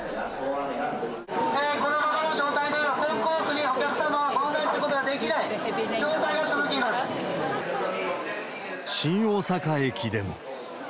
このままの状態ではコンコースにお客様をご案内することがで新大阪駅でも。